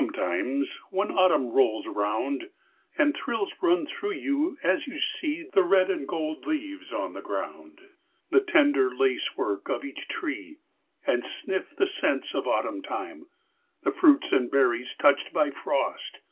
"IKES WHEN autumn rolls around, and thrills run through you as you see 9 *<^ The red and gold leaves on the ground; the ten der lace work of each tree: And sniff the scents of autumn time— the fruits and ber¬ ries touched b y frost.